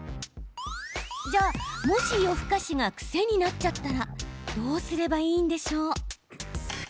じゃあ、もし夜更かしが癖になっちゃったらどうすればいいんでしょう？